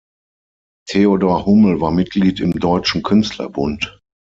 Theodor Hummel war Mitglied im Deutschen Künstlerbund.